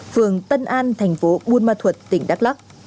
phường tân an thành phố buôn ma thuật tỉnh đắk lắc